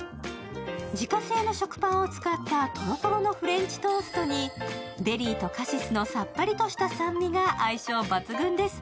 自家製の食パンを使ったとろとろのフレンチトーストにベリーとカシスのさっぱりとした酸味が相性抜群です。